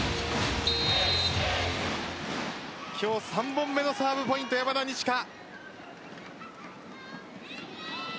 今日３本目のサーブポイント山田二千華。